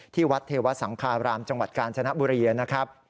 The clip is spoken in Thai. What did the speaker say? ที่วัดเทวสังคารามจังหวัดกาญจนบุรีนะครับ